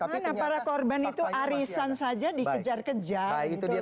bagaimana para korban itu arisan saja dikejar kejar